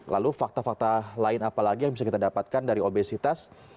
lalu fakta fakta lain apa lagi yang bisa kita dapatkan dari obesitas